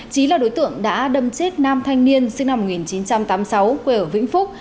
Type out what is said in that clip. trí là đối tượng đã đâm chết nam thanh niên sinh năm một nghìn chín trăm tám mươi sáu quê ở vĩnh phúc